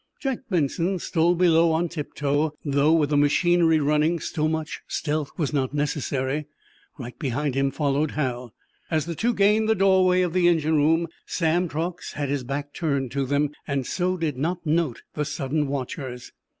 Jack Benson stole below on tip toe, though with the machinery running so much stealth was not necessary. Right behind him followed Hal. As the two gained the doorway of the engine room Sam Truax had his back turned to them, and so did not note the sudden watchers.